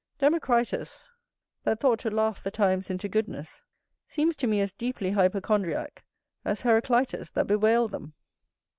Democritus, that thought to laugh the times into goodness, seems to me as deeply hypochondriack as Heraclitus, that bewailed them.